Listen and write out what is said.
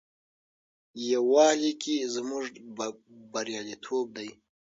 یووالي کې زموږ بریالیتوب دی.